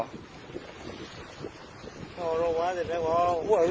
โอ้ยโอ้ยโอ้ยโอ้ย